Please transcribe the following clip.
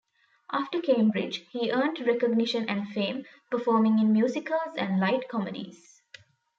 After Cambridge, he earned recognition and fame performing in musicals and light comedies.